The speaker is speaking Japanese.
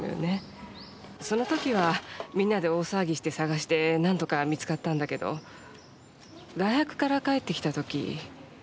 その時はみんなで大騒ぎして捜してなんとか見つかったんだけど外泊から帰ってきた時。